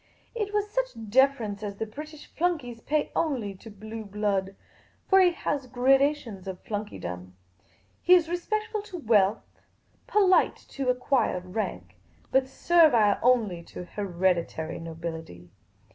It was such deference as the British flunkey pays only to blue blood ; for he has gradations of flunkeydom. He is respectful to wealth ; polite to acquired rank ; but servile onl}^ to hereditary nobility.